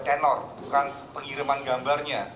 tenor bukan pengiriman gambarnya